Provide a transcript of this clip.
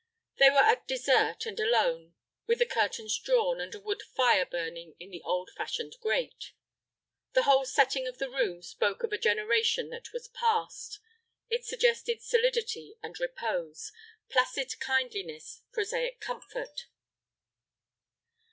They were at dessert, and alone, with the curtains drawn, and a wood fire burning in the old fashioned grate. The whole setting of the room spoke of a generation that was past. It suggested solidity and repose, placid kindliness, prosaic comfort.